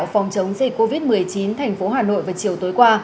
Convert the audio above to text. phòng chống dịch covid một mươi chín thành phố hà nội vào chiều tối qua